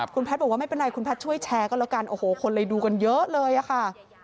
คุณแพทย์บอกว่าไม่เป็นไรคุณแพทย์ช่วยแชร์ก็แล้วกันโอ้โหคนเลยดูกันเยอะเลยอะค่ะ